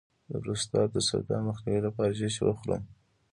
د پروستات د سرطان مخنیوي لپاره څه شی وخورم؟